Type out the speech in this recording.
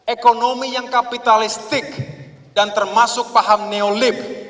ekonomi yang kapitalistik dan termasuk paham neolib